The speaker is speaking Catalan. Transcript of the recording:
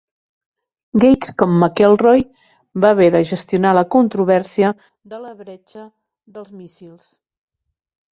Gates, com McElroy, va haver de gestionar la controvèrsia de la "bretxa dels míssils".